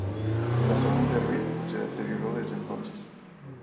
La salud de Reade se deterioró desde entonces.